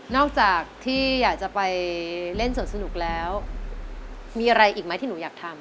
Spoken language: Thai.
อกจากที่อยากจะไปเล่นส่วนสนุกแล้วมีอะไรอีกไหมที่หนูอยากทำ